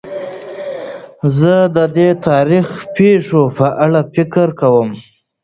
زه د دې تاریخي پېښو په اړه فکر کوم.